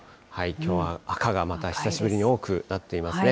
きょうは赤がまた久しぶりに多くなっていますね。